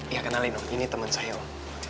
ya kenalin om ini teman saya om